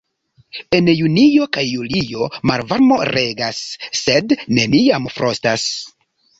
En junio kaj julio malvarmo regas, sed neniam frostas.